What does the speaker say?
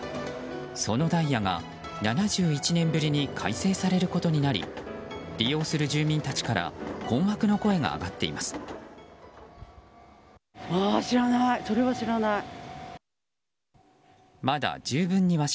そのダイヤが７１年ぶりに改正されることになり利用する住民たちから困惑の声が上がっています。